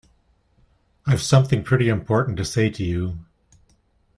I’ve something pretty important to say to you.